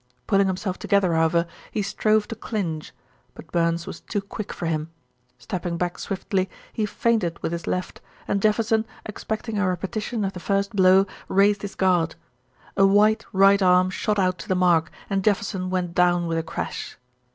Pulling himself together, however, he strove to clinch; but Burns was too quick for him. Stepping back swiftly, he feinted with his left, and Jefferson, expecting a repetition of the first blow, raised his guard. A white right arm shot out to the mark, and Jefferson went down with a crash.